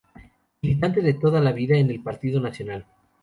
Militante de toda la vida en el Partido Nacional.